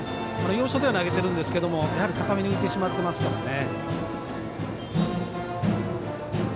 要所では投げてるんですけどやはり高めに浮いてしまっていますからね。